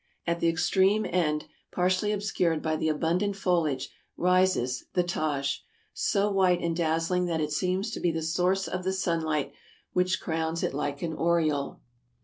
At the extreme end, partially obscured by the abundant foliage, rises the Taj, so white and dazzling that it seems to be the source of the sunlight which crowns it like an aureole.